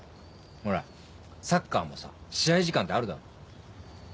ほらサッカーもさ試合時間ってあるだろ？